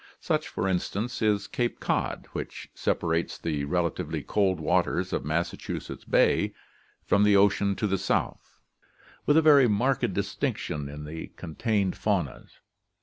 Such, for in stance, is Cape Cod, which separates the relatively cold waters of Massachusetts Bay from the ocean to the south, with a very marked distinction in the contained faunas.